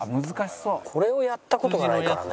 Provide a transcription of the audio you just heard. これをやった事がないからね。